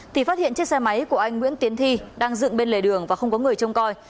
thì phát hiện chiếc xe máy của anh nguyễn tiến thi đang dựng bên lề đường và không có người trông coi